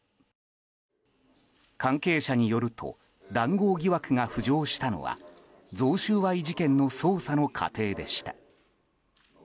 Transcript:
関係者によると談合疑惑が浮上したのは贈収賄事件の捜査の過程でした。